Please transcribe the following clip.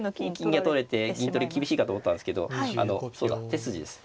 金が取れて銀取り厳しいかと思ったんですけどあのそうだ手筋です。